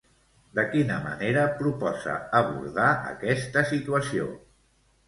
De quina manera proposa abordar aquesta situació?